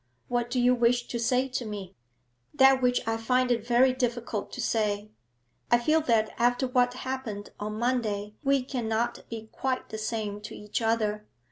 What do you wish to say to me?' 'That which I find it very difficult to say. I feel that after what happened on Monday we cannot be quite the same to each other.